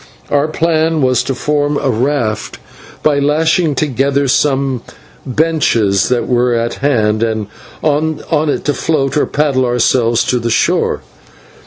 Our plan was to form a raft by lashing together some benches that were at hand, and on it to float or paddle ourselves to the shore.